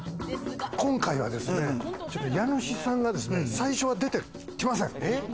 今回はですね、ちょっと家主さんが最初は出てきません。